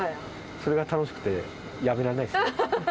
それが楽しくて、やめられないですね。